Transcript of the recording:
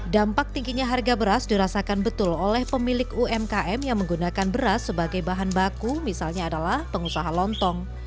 dampak tingginya harga beras dirasakan betul oleh pemilik umkm yang menggunakan beras sebagai bahan baku misalnya adalah pengusaha lontong